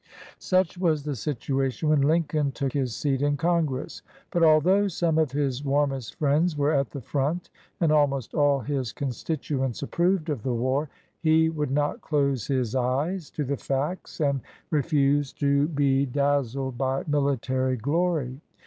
Such was the situation when Lincoln took his seat in Congress; but although some of his warmest friends were at the front and almost all his constituents approved of the war, he would not close his eyes to the facts and refused to be 150 IN CONGRESS dazzled by military glory.